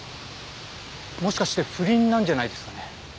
もしかして不倫なんじゃないですかね。